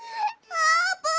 あーぷん。